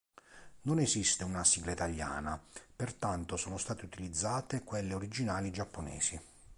Non esiste una sigla italiana, pertanto sono state utilizzate quelle originali giapponesi.